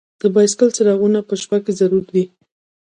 د بایسکل څراغونه په شپه کې ضرور دي.